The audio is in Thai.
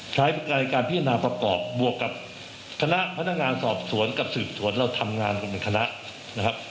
การพิจารณาประกอบบวกกับคณะพนักงานสอบสวนกับสืบสวนเราทำงานกันเป็นคณะนะครับ